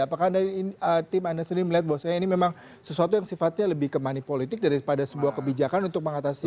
apakah anda tim anda sendiri melihat bahwa ini memang sesuatu yang sifatnya lebih ke money politik daripada sebuah kebijakan untuk mengatasi